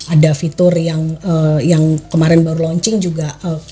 ada fitur yang kemarin baru launching juga